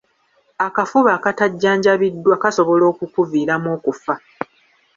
Akafuba akatajjanjabiddwa kasobola okukuviiramu okufa